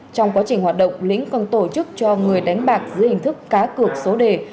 trong quá trình hoạt động lĩnh còn tổ chức cho người đánh bạc dưới hình thức cá cược số đề